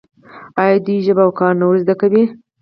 آیا دوی ژبه او کار نه ور زده کوي؟